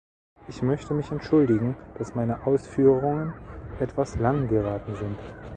Ich möchte mich entschuldigen, dass meine Ausführungen etwas lang geraten sind.